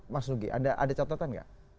mas lugi ada catatan gak